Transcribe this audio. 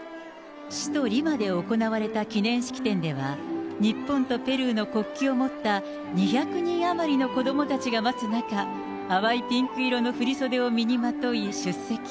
首都リマで行われた記念式典では、日本とペルーの国旗を持った２００人余りの子どもたちが待つ中、淡いピンク色の振袖を身にまとい出席。